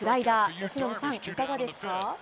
由伸さん、いかがですか？